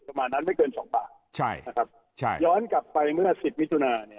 ประมาณนั้นไม่เกิน๒บาทย้อนกลับไปเมื่อ๑๐มิถุนา